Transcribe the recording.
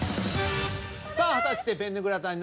さあ果たしてペンネグラタン